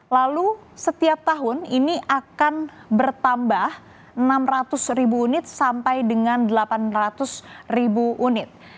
lalu setiap tahun ini akan bertambah enam ratus ribu unit sampai dengan delapan ratus ribu unit